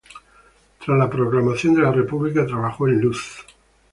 Tras la proclamación de la República trabajó en "Luz".